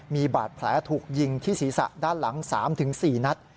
มีบาดแผลถูกยิงที่ศีรษะด้านหลัง๓๔นัด